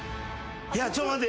ちょっと待って。